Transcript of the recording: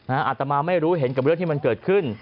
อาตมาไม่รู้เห็นกับเรื่องที่มันเกิดขึ้น